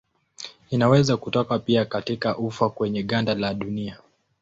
Inaweza kutoka pia katika ufa kwenye ganda la dunia.